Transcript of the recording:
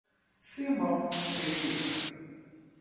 Simão Pereira